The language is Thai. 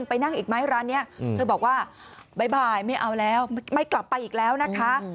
ไปนั่งอีกไหมร้านนี้เธอบอกว่าบ่ายไม่เอาแล้วไม่กลับไปอีกแล้วนะคะ